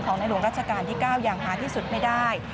ในหลวงรัชกาลที่๙อย่างหาที่สุดไม่ได้